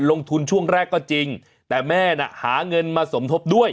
ลงทุนช่วงแรกก็จริงแต่แม่น่ะหาเงินมาสมทบด้วย